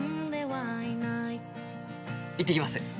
行ってきます。